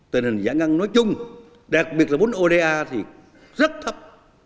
tình hình giải ngân nói chung đặc biệt là vốn oda thì rất thấp